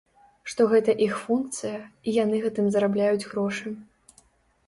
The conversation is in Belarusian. Што гэта іх функцыя і яны гэтым зарабляюць грошы.